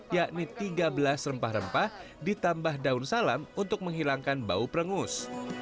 yakni tiga belas rempah rempah ditambah daun salam untuk menghilangkan bau prengus